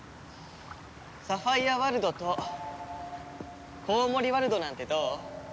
サファイアワルドとコウモリワルドなんてどう？